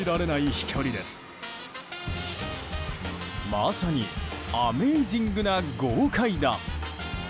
まさにアメージングな豪快弾。